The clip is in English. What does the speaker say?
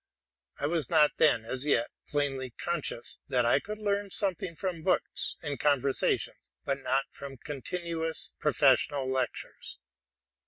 I was not then as yet plainly conscious that I could learn some thing from books and conversation, but not from continuous professional lectures.